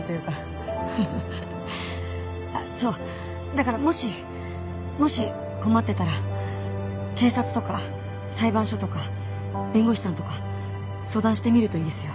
あっそうだからもしもし困ってたら警察とか裁判所とか弁護士さんとか相談してみるといいですよ。